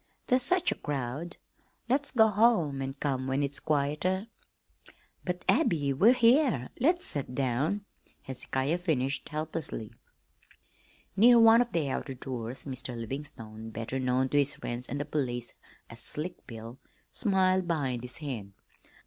"There's such a crowd. Let's go home an' come when it's quieter." "But, Abby, we here, let's set down," Hezekiah finished helplessly. Near one of the outer doors Mr. Livingstone better known to his friends and the police as "Slick Bill" smiled behind his hand.